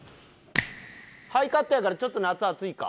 ハイカットやからちょっと夏は暑いか。